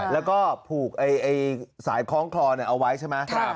แล้วก็ผูกสายคล้องคลอเอาไว้ใช่ไหม